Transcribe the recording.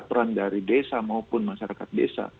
peran dari desa maupun masyarakat desa